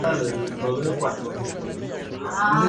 El Observatorio Siding Spring está situado en un pico del este.